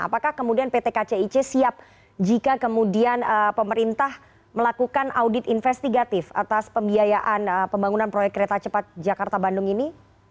apakah kemudian pt kcic siap jika kemudian pemerintah melakukan audit investigatif atas pembiayaan pembangunan proyek kereta cepat jakarta bandung ini